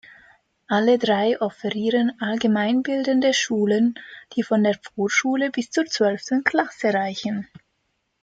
Alle drei offerieren allgemeinbildende Schulen, die von der Vorschule bis zur zwölften Klasse reichen.